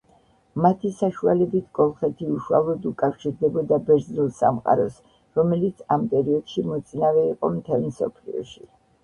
მათი საშუალებით კოლხეთი უშუალოდ უკავშირდებოდა ბერძნულ სამყაროს, რომელიც ამ პერიოდში მოწინავე იყო მთელ მსოფლიოში.